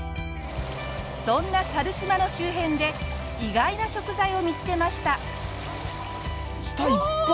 そんな猿島の周辺で意外な食材を見つけました。